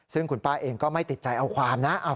ซึ่งคุณป้าเองก็ไม่ติดใจเอาความนะ